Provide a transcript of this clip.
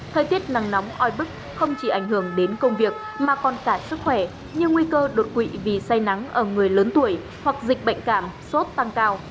thời tiết nắng nóng oi bức không chỉ ảnh hưởng đến công việc mà còn cả sức khỏe như nguy cơ đột quỵ vì say nắng ở người lớn tuổi hoặc dịch bệnh cảm sốt tăng cao